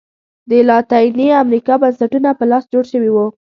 د لاتینې امریکا بنسټونه په لاس جوړ شوي وو.